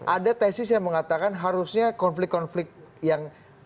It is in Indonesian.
ada tesis yang mengatakan harusnya konflik konflik yang